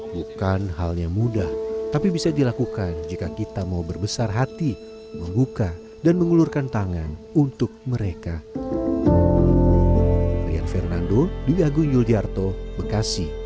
bukan hal yang mudah tapi bisa dilakukan jika kita mau berbesar hati membuka dan mengulurkan tangan untuk mereka